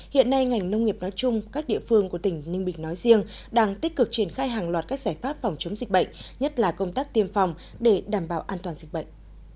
hiện nay ngành nông nghiệp nói chung các địa phương của tỉnh ninh bình nói riêng đang tích cực triển khai hàng loạt các giải pháp phòng chống dịch bệnh nhất là công tác tiêm phòng để đảm bảo an toàn dịch bệnh